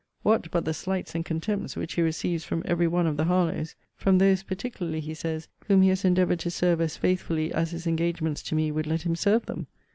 What, but 'the slights and contempts which he receives from every one of the Harlowes; from those particularly, he says, whom he has endeavoured to serve as faithfully as his engagements to me would let him serve them?